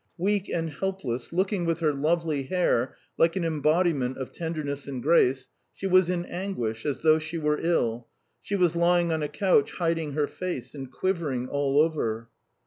Weak and helpless, looking with her lovely hair like an embodiment of tenderness and grace, she was in anguish, as though she were ill; she was lying on a couch, hiding her face, and quivering all over.